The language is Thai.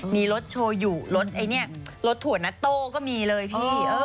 มีรสโชยุรสไอเนี้ยรสถั่วนาโต้ก็มีเลยพี่